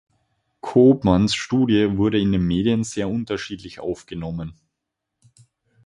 Koopmans Studie wurde in den Medien sehr unterschiedlich aufgenommen.